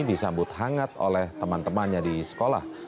disambut hangat oleh teman temannya di sekolah